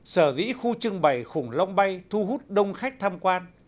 sở dĩ khu trưng bày khủng long bay thu hút đông khách tham quan